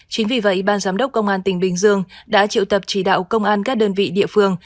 chính vì vậy ban giám đốc công an tỉnh bình dương đã triệu tập chỉ đạo công an các đơn vị địa phương